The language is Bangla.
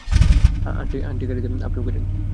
আন্টি গাড়িতে আপনিও কইরেন!